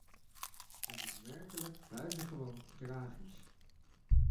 Dat is werkelijk buitengewoon tragisch.